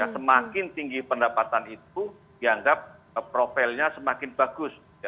semakin tinggi pendapatan itu dianggap profilnya semakin bagus